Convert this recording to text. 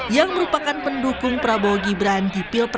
yang merupakan pendukung prabowo gibran di pilpres dua ribu sembilan belas